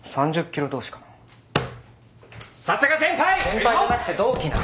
先輩じゃなくて同期な。